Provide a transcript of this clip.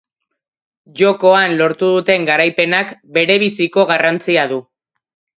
Jokoan lortu duten garaipenak berebiziko garrantzia du.